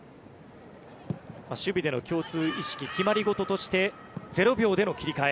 守備での共通意識決まり事として０秒での切り替え。